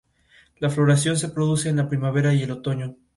La floración se produce en la primavera y el otoño.